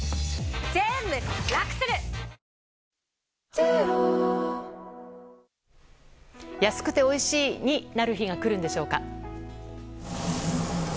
さぁ今すぐ検索！安くておいしいになる日が来るんでしょうか。